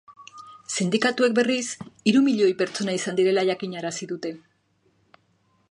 Sindikatuek, berriz, hiru milioi pertsona izan direla jakinarazi dute.